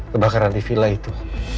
kebakaran di villa itu